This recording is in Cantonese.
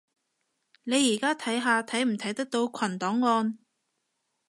你而家睇下睇唔睇到群檔案